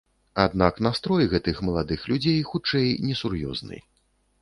Аднак настрой гэтых маладых людзей хутчэй несур'ёзны.